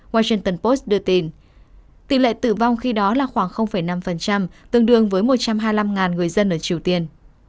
washington post đưa tin tỷ lệ tử vong khi đó là khoảng năm tương đương với một trăm hai mươi năm người dân ở triều tiên